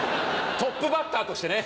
トップバッターとしてね！